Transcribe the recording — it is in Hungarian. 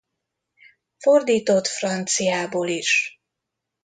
Fordított franciából is.